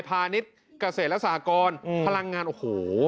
ภานิษฐ์เกษตร์และสหกรรมพลังงานโอ้โห